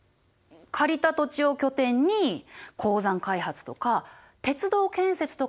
借りた土地を拠点に鉱山開発とか鉄道建設とかの権利を手に入れた。